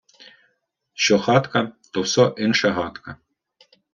Що хатка, то все инша гадка.